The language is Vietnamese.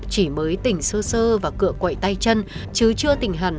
chị mới tỉnh sơ sơ và cựa quậy tay chân chứ chưa tỉnh hẳn